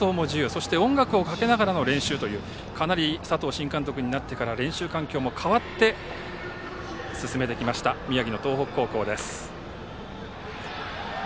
そして、音楽をかけながらの練習というかなり佐藤新監督になってから練習環境も変わって進めてきました宮城の東北高校です。